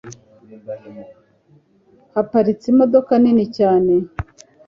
haparitse imdoka nini cyane